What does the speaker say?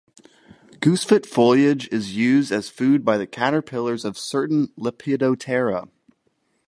Goosefoot foliage is used as food by the caterpillars of certain Lepidoptera.